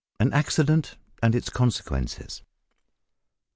AN ACCIDENT AND ITS CONSEQUENCES.